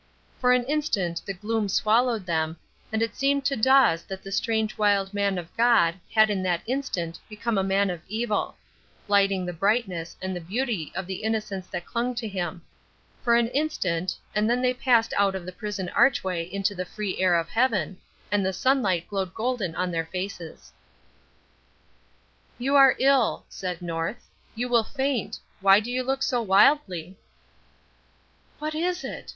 For an instant the gloom swallowed them, and it seemed to Dawes that the strange wild man of God had in that instant become a man of Evil blighting the brightness and the beauty of the innocence that clung to him. For an instant and then they passed out of the prison archway into the free air of heaven and the sunlight glowed golden on their faces. "You are ill," said North. "You will faint. Why do you look so wildly?" "What is it?"